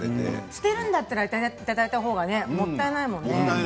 捨てるんだったらいただいたほうがねもったいないもんね。